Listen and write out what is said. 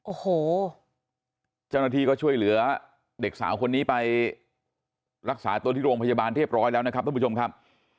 โอ้โหเจ้าหน้าที่ก็ช่วยเหลือเด็กสาวคนนี้ไปรักษาตัวที่โรงพยาบาลเรียบร้อยแล้วนะครับท่านผู้ชมครับ